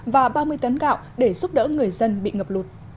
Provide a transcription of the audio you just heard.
và ba mươi tấn gạo để giúp đỡ người dân bị ngập lụt